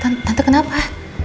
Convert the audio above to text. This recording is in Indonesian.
tante tante kenapa